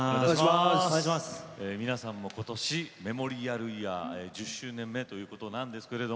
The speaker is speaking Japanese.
皆さんもメモリアルイヤー１０周年目ということですね。